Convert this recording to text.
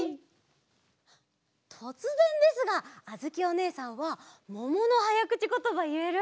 とつぜんですがあづきおねえさんはもものはやくちことばいえる？